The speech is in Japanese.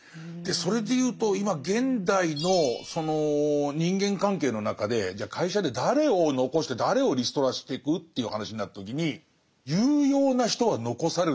それで言うと今現代のその人間関係の中でじゃあ会社で誰を残して誰をリストラしてく？という話になった時に有用な人は残されると思うんですよ。